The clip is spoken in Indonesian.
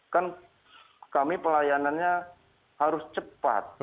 kan kami pelayanannya harus cepat